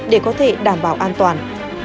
để có thể đảm bảo an toàn